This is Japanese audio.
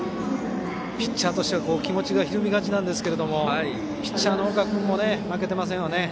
ピッチャーとしては気持ちがひるみがちなんですがピッチャーの岡君も負けていませんね。